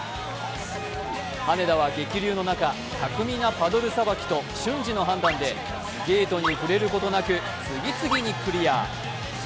羽根田は激流の中、巧みなパドルさばきと瞬時の判断でゲートに触れることなく次々にクリア。